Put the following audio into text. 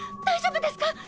大丈夫ですか？